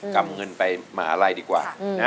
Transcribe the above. กลับเงินไปมาอาลัยดีกว่า